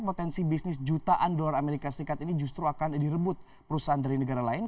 potensi bisnis jutaan dolar amerika serikat ini justru akan direbut perusahaan dari negara lain